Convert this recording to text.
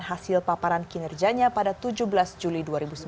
hasil paparan kinerjanya pada tujuh belas juli dua ribu sembilan belas